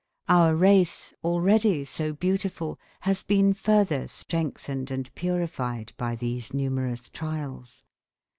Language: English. Our race, already so beautiful, has been further strengthened and purified by these numerous trials.